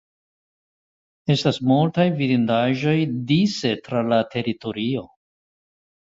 Estas multaj vidindaĵoj dise tra la teritorio.